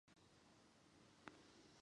一个有家室的男人！